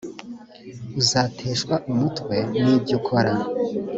uzateshwa umutwe n ibyo ukora